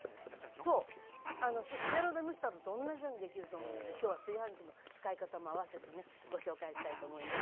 せいろで蒸したのと同じようにできると思うので今日は炊飯器の使い方も合わせてねご紹介したいと思います。